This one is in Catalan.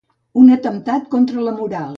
Un atemptat contra la moral.